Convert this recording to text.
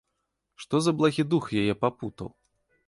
Што за благі дух яе папутаў?